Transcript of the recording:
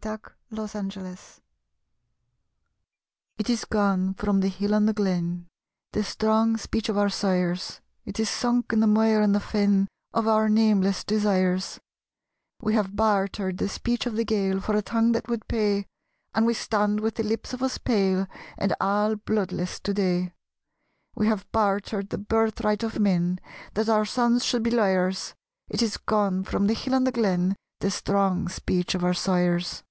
The Irish Language It is gone from the hill and the glen The strong speech of our sires; It is sunk in the mire and the fen Of our nameless desires: We have bartered the speech of the Gael For a tongue that would pay, And we stand with the lips of us pale And all bloodless to day; We have bartered the birthright of men That our sons should be liars. It is gone from the hill and the glen, The strong speech of our sires.